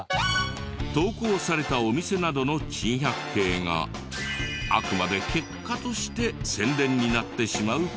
投稿されたお店などの珍百景があくまで結果として宣伝になってしまう事も。